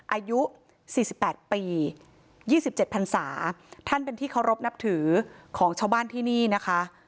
อายุ๔๘ปี๒๗พันศาท่านเป็นที่เคารพนับถือของชาวบ้านที่นี่นะคะ